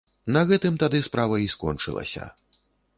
На гэтым тады справа і скончылася.